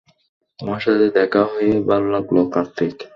তোমার সাথে দেখা হয়ে ভালো লাগল, কার্তিক।